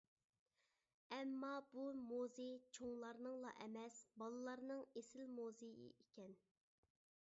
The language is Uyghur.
ئامما بۇ مۇزېي چوڭلارنىڭلا ئەمەس، بالىلارنىڭ ئېسىل مۇزېيى ئىكەن.